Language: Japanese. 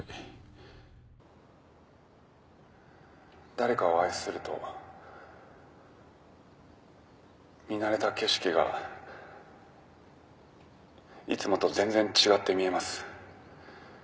誰かを愛すると見慣れた景色がいつもと全然違って見えます。